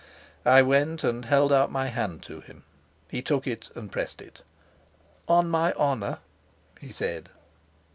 I went and held out my hand to him. He took and pressed it. "On my honor," he said.